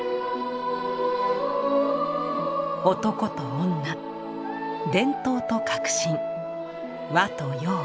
男と女伝統と革新和と洋。